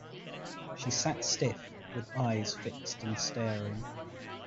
She sat stiff, with eyes fixed and staring.